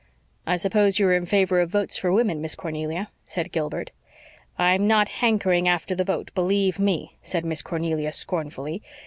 "I suppose you are in favor of votes for women, Miss Cornelia," said Gilbert. "I'm not hankering after the vote, believe ME," said Miss Cornelia scornfully.